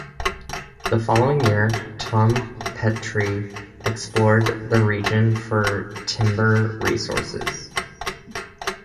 The following year, Tome Petrie explored the region for timber resources.